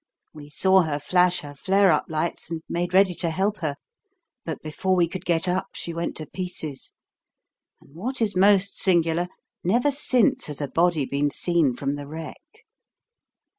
We saw her flash her flare up lights, and made ready to help her, but before we could get up she went to pieces, and what is most singular, never since has a body been seen from the wreck.